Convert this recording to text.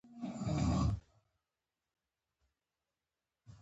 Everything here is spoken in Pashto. خبره بله وه او په اصل کې اخندزاده عاشق نه وو.